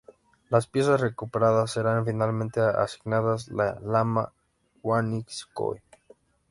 Las piezas recuperadas serán finalmente asignadas a "Lama guanicoe".